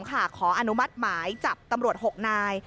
ขออนุมัติหมายจับตำรวจ๖นาย